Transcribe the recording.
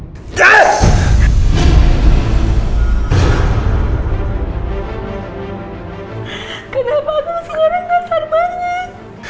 kenapa kamu semua kasar banget